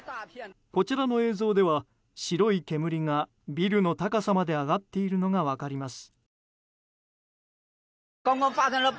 こちらの映像では白い煙がビルの高さまで上がっているのが分かります。